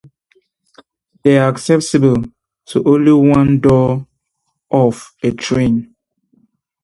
They are accessible to only one door of a train.